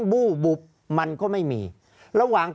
ภารกิจสรรค์ภารกิจสรรค์